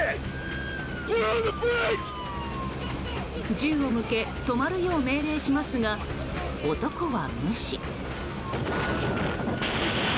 銃を向け止まるよう命令しますが、男は無視。